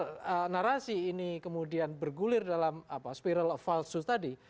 eksidental narasi ini kemudian bergulir dalam spiral of falsehood tadi